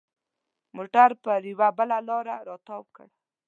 موټر پر یوه بله لاره را تاو کړ.